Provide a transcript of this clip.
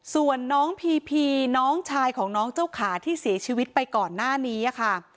ส่วนน้องพีพีน้องชายของน้องเจ้าขาที่เสียชีวิตไปก่อนหน้านี้ค่ะ